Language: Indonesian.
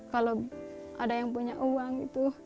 kalau ada yang punya uang itu